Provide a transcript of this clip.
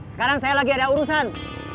sekarang saya lagi ada urusan